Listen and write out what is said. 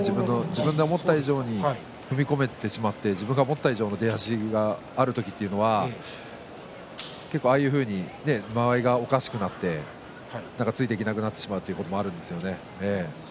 自分が思った以上に踏み込めてしまって出足がある時にはああいうふうに間合いがおかしくなってついていけなくなってしまうことがあるんですよね。